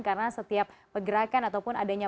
karena setiap pergerakan ataupun adanya